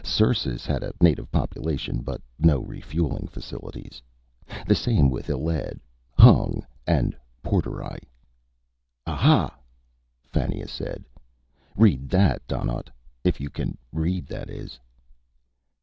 Sersus had a native population, but no refueling facilities. The same with Illed, Hung and Porderai. "Ah ha!" Fannia said. "Read that, Donnaught. If you can read, that is."